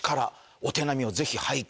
お手並みを是非拝見